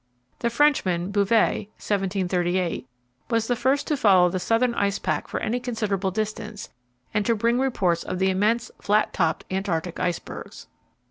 The Frenchman, Bouvet (1738), was the first to follow the southern ice pack for any considerable distance, and to bring reports of the immense, flat topped Antarctic icebergs.